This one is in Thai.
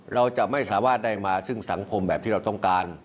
เราจะไม่สามารถได้มาซึ่งสังคมแบบที่เราต้องการ